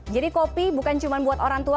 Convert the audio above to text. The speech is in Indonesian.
jadi kopi bukan cuma buat orang tua